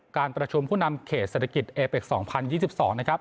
การประชุมผู้นำเขตเศรษฐกิจเอเป็กส์สองพันยี่สิบสองนะครับ